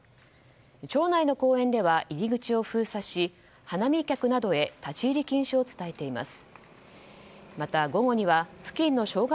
町内の公園では入り口を封鎖し花見客などへ立ち入り禁止を伝えています。